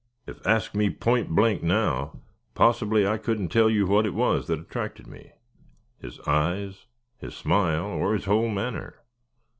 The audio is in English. If asked me point blank now, possibly I couldn't tell you what it was that attracted me his eyes, his smile, or his whole manner.